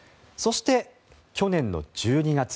そして、去年１２月